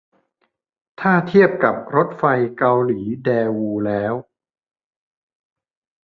ถ้าเทียบกับรถไฟเกาหลีแดวูแล้ว